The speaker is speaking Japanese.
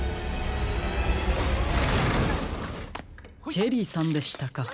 チェリーさんでしたか。